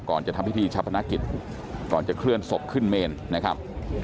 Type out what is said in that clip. ก่อนจะทำพิธีชะพนักกิจก่อนจะเคลื่อนศพขึ้นเมนนะครับ